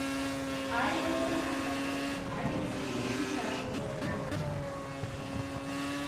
Але огына кае, але изиш чӱчашым руэна.